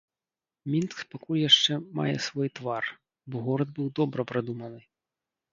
Мінск пакуль яшчэ мае свой твар, бо горад быў добра прадуманы.